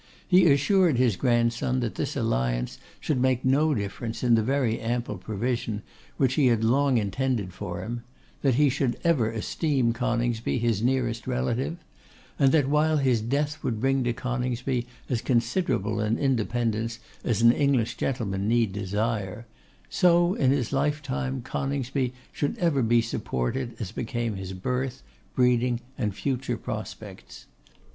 He assured his grandson that this alliance should make no difference in the very ample provision which he had long intended for him; that he should ever esteem Coningsby his nearest relative; and that, while his death would bring to Coningsby as considerable an independence as an English gentleman need desire, so in his lifetime Coningsby should ever be supported as became his birth, breeding, and future prospects.